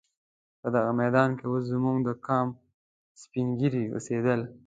په دغه میدان کې اوس زموږ د قام سپین ږیري اوسېدل.